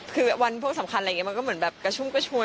คือวันพวกสำคัญอะไรอย่างนี้มันก็เหมือนแบบกระชุ่มกระชวย